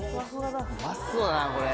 うまそうだなこれ。